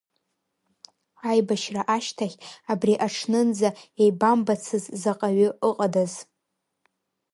Аибашьра ашьҭахь абри аҽнынӡа еибамбацыз заҟаҩы ыҟадаз.